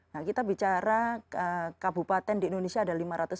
nah kita bicara kabupaten di indonesia ada lima ratus empat puluh